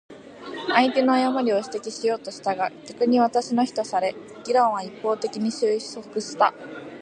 相手の誤りを指摘しようとしたが、逆に私の非とされ、議論は一方的に収束した。